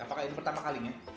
apakah ini pertama kalinya